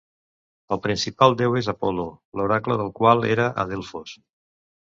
El principal déu és Apol·lo, l'oracle del qual era a Delfos.